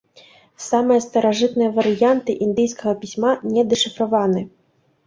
Самыя старажытныя варыянты індыйскага пісьма не дэшыфраваны.